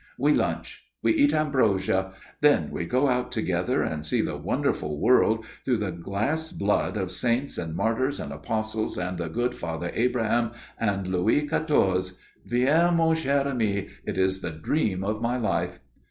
"We lunch. We eat ambrosia. Then we go out together and see the wonderful world through the glass blood of saints and martyrs and apostles and the good Father Abraham and Louis Quatorze. Viens, mon cher ami. It is the dream of my life."